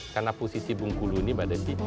karena posisi bungkulu ini pada di